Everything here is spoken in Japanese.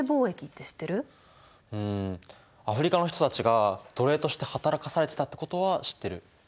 うんアフリカの人たちが奴隷として働かされてたってことは知ってる。